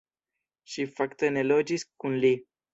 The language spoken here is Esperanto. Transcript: Ŝi fakte ne loĝis kun li.